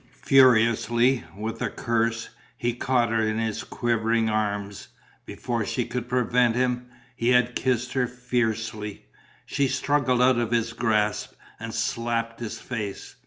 Furiously, with a curse, he caught her in his quivering arms. Before she could prevent him, he had kissed her fiercely. She struggled out of his grasp and slapped his face.